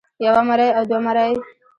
يوه مرۍ او دوه مرۍ